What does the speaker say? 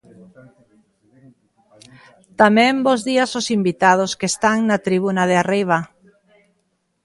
Tamén bos días aos invitados que están na tribuna de arriba.